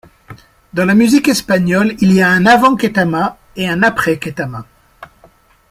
Dans la musique espagnole, il y a un 'Avant Ketama' et un 'Après Ketama'.